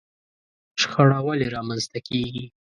شخړه ولې رامنځته کېږي؟